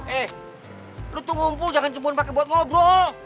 eh lu tuh ngumpul jangan cemburan pake buat ngobrol